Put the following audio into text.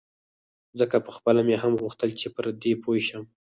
ځکه پخپله مې هم غوښتل چې پر دې پوی شم.